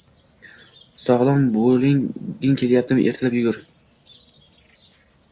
Sogʻlom boʻlging kelyaptimi? Ertalab yugur.